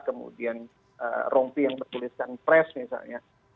kemudian rompi yang bertuliskan pres misalnya